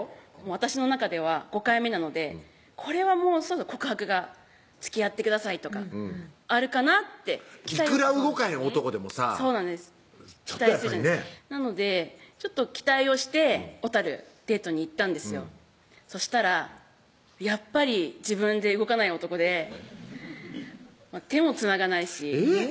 私の中では５回目なのでこれはもうそろそろ告白が「つきあってください」とかあるかなっていくら動かへん男でもさちょっとやっぱりねなのでちょっと期待をして小デートに行ったんですよそしたらやっぱり自分で動かない男で手もつながないしえっ？